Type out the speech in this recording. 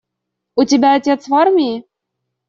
У тебя отец в армии?